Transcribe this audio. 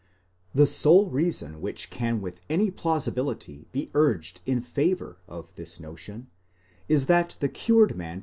8 The sole reason which can with any plausibility be urged in favour of this notion, is that the cured 16 Ut sup.